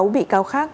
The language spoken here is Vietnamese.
sáu bị cao khác